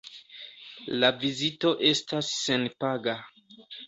La vizito estas senpaga.